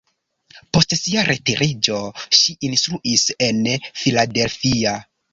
Post sia retiriĝo ŝi instruis en Philadelphia.